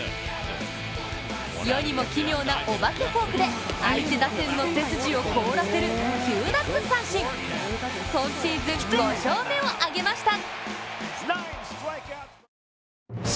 世にも奇妙なお化けフォークで相手打線の背筋を凍らせる９奪三振、今シーズン５勝目を挙げました。